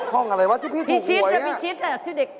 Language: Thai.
ห้องอะไรวะที่พี่ถูกหัวอย่างนั้นน่ะพี่ชิดน่ะที่เด็ก